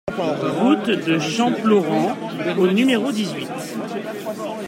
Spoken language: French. Route de Champlaurent au numéro dix-huit